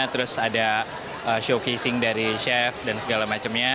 terus ada showcasing dari chef dan segala macamnya